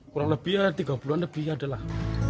kurang lebih ya tiga puluh an lebih adalah